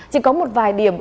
chỉ có một vài điểm